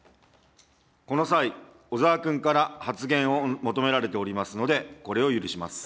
この際、小沢君から発言を求められておりますので、これを許します。